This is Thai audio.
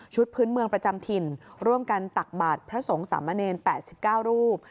พื้นเมืองประจำถิ่นร่วมกันตักบาทพระสงฆ์สามเณร๘๙รูป